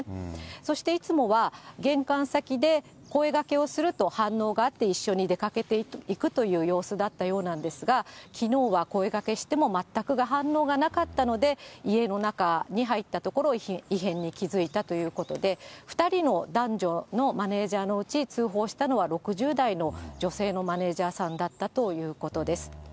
そして、いつもは玄関先で声がけをすると、反応があって一緒に出かけていくという様子だったようなんですが、きのうは声がけしても全く反応がなかったので、家の中に入ったところ、異変に気付いたということで、２人の男女のマネージャーのうち、通報したのは６０代の女性のマネージャーさんだったということです。